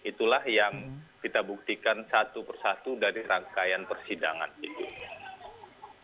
itulah yang kita buktikan satu persatu dari rangkaian persidangan gitu